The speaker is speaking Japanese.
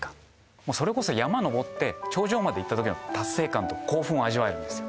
もうそれこそ山登って頂上まで行った時の達成感と興奮を味わえるんですよ